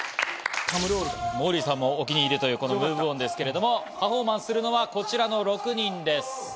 モーリーさんもお気に入りという『ＭｏｖｅＯｎ』ですけど、パフォーマンスするのはこちらの６人です。